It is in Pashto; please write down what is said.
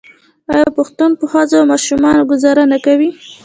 آیا پښتون په ښځو او ماشومانو ګذار نه کوي؟